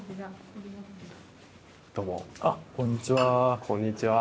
あっこんにちは。